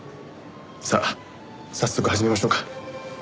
さあ早速始めましょうか。